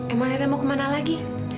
emang akhirnya mau kemana lagi